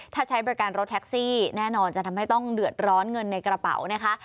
ถ้าใช้บริการรถแท็กซี่แน่นอนจะทำให้ต้องเดือดร้อนเงินในกระเป๋านะคะ